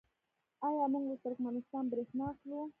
آیا موږ له ترکمنستان بریښنا اخلو؟